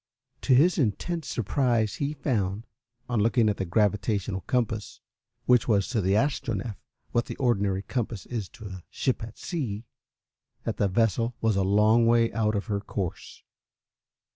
To his intense surprise he found, on looking at the gravitational compass, which was to the Astronef what the ordinary compass is to a ship at sea, that the vessel was a long way out of her course.